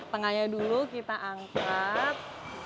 tengahnya dulu kita angkat